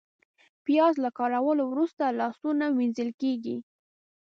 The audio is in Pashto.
پیاز له کارولو وروسته لاسونه وینځل کېږي